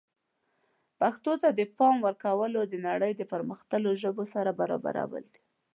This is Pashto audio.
پښتو ته د پام ورکول د نړۍ د پرمختللو ژبو سره برابرول دي.